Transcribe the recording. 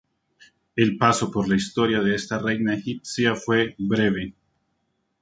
El paso por la historia de esta reina egipcia fue breve.